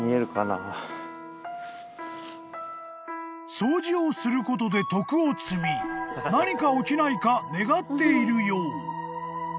［掃除をすることで徳を積み何か起きないか願っているよう］